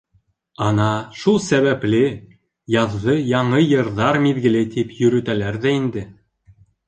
Ана шул сәбәпле яҙҙы яңы йырҙар миҙгеле тип йөрөтәләр ҙә инде.